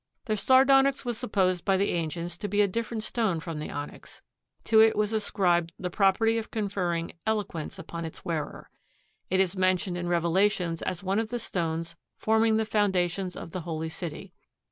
The sardonyx was supposed by the ancients to be a different stone from the onyx. To it was ascribed the property of conferring eloquence upon its wearer. It is mentioned in Revelations as one of the stones forming the foundations of the Holy City.